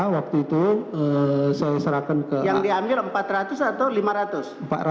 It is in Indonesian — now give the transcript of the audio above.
waktu itu saya serahkan ke